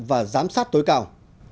và giám sát tối cào